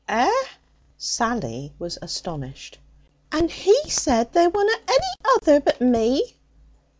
'Eh?' Sally was astonished. 'And he said there wunna any other but me.'